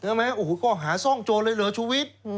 เห็นไหมก็หาซ่องโจนเลยเหลือชีวิต